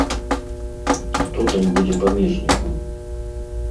Хто там будзе памежнікам?